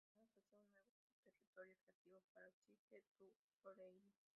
Esta oportunidad ofrecía un nuevo territorio creativo para Cirque du Soleil.